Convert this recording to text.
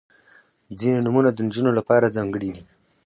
• ځینې نومونه د نجونو لپاره ځانګړي دي.